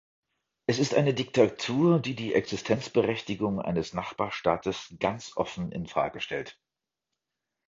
Es ist eine Diktatur, die die Existenzberechtigung eines Nachbarstaates ganz offen in Frage stellt.